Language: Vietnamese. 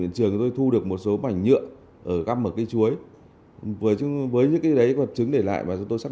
thì chúng tôi thu được một số mảnh nhựa ở găm ở cây chuối với những vật chứng để lại mà chúng tôi xác